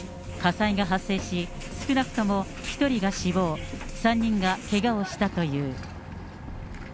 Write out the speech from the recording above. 火災が発生し、少なくとも１人が死亡、３人がけがをしたという。